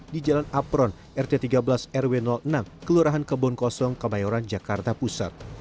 di jalan apron rt tiga belas rw enam kelurahan kebon kosong kemayoran jakarta pusat